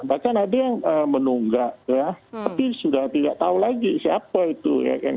bahkan ada yang menunggak ya tapi sudah tidak tahu lagi siapa itu ya kan